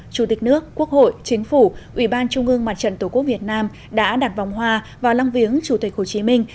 chủ tịch nước quốc hội chính phủ ủy ban trung ương mặt trận tổ quốc việt nam đã đặt vòng hoa vào lăng viếng chủ tịch hồ chí minh